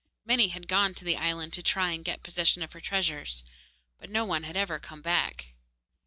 Many had gone to the island to try and get possession of her treasures, but no one had ever come back.